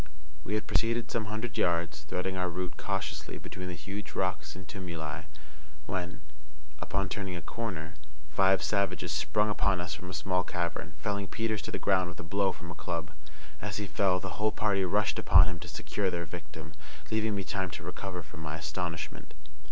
We had proceeded some hundred yards, threading our route cautiously between the huge rocks and tumuli, when, upon turning a corner, five savages sprung upon us from a small cavern, felling Peters to the ground with a blow from a club. As he fell the whole party rushed upon him to secure their victim, leaving me time to recover from my astonishment.